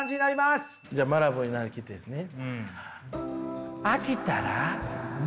じゃあマラブーに成りきってですね。